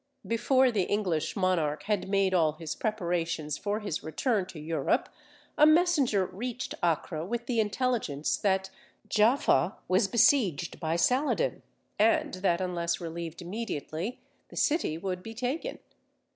Before the English monarch had made all his preparations for his return to Europe, a messenger reached Acre with the intelligence that Jaffa was besieged by Saladin, and that, unless relieved immediately, the city would be taken.